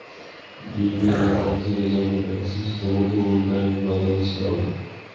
বিভেদ ও তার থেকে জন্ম নেওয়া অস্থিতিশীলতার মধ্যে উন্নয়ন বাধাগ্রস্ত হবে।